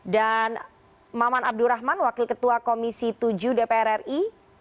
dan maman abdurrahman wakil ketua komisi tujuh dpr ri